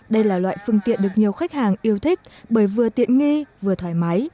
đây là loại phương tiện được nhiều khách hàng yêu thích bởi vừa tiện nghi vừa thoải mái